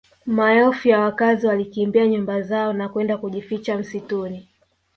Maelfu ya wakazi walikimbia nyumba zao na kwenda kujificha msituni